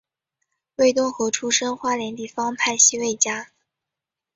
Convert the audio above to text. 魏东河出身花莲地方派系魏家。